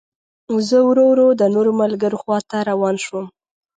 زه ورو ورو د نورو ملګرو خوا ته روان شوم.